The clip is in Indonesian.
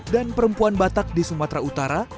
dan perempuan batak di sumatera utara